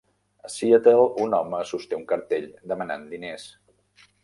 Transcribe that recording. A Seattle, un home sosté un cartell demanant diners.